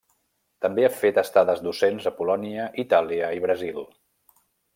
També ha fet estades docents a Polònia, Itàlia i Brasil.